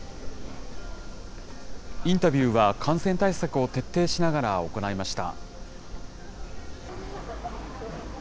インタビューは、感染対策を徹底しながら行いました。